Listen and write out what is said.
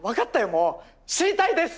もう知りたいです！